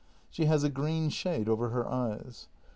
She has a green shade over her eyes.